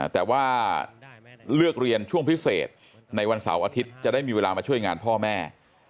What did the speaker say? แต่ว่าเลือกเรียนช่วงพิเศษในวันเสาร์อาทิตย์จะได้มีเวลามาช่วยงานพ่อแม่